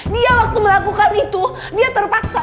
dia waktu melakukan itu dia terpaksa